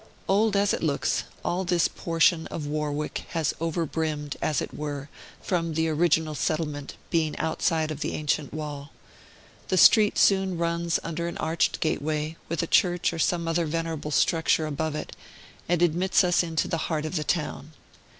Old as it looks, all this portion of Warwick has overbrimmed, as it were, from the original settlement, being outside of the ancient wall. The street soon runs under an arched gateway, with a church or some other venerable structure above it, and admits us into the heart of the town.